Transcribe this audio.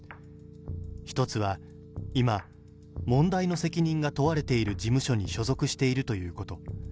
１つは、今、問題の責任が問われている事務所に所属しているということ。